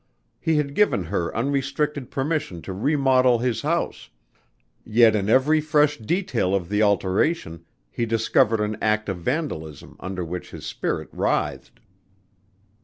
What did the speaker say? He had given her unrestricted permission to remodel his house, yet in every fresh detail of the alteration he discovered an act of vandalism under which his spirit writhed.